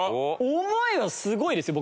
思いはすごいですよ！